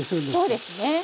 そうですね。